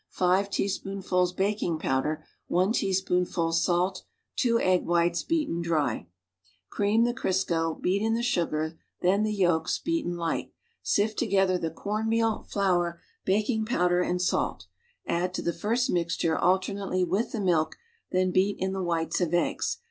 5 tcaspoonfuls baking powder I teaspoonful salt vliites, beaten drv Cream the Crisco, lieat in the sugar, then the yolks, beaten light. Sift to gether the corn meal. Hour, baking powder and salt, add to the first mixture alternately with the milk, then beat in the whites of eggs.